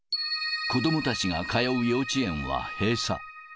子どもたちが通う幼稚園は閉鎖。